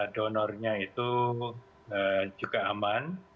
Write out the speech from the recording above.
donornya itu juga aman